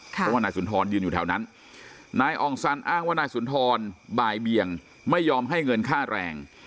เพราะว่านายสุนทรยืนอยู่แถวนั้นนายอ่องซันอ้างว่านายสุนทรบ่ายเบียงไม่ยอมให้เงินค่าแรง